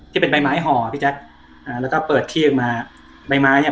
ที่เป็นใบไม้ห่อพี่แจ๊คอ่าแล้วก็เปิดคีบมาใบไม้เนี้ย